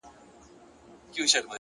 دقیق فکر د لویو خطاګانو مخه نیسي!.